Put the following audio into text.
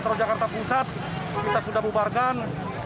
metro jakarta pusat kita sudah bubarkan